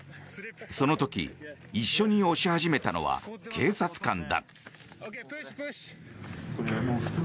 その時、一緒に押し始めたのは警察官だ。